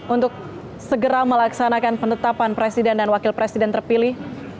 untuk segera melaksanakan penetapan presiden dan wakil presiden terpilih